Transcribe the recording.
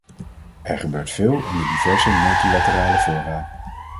Er gebeurt veel in de diverse multilaterale fora.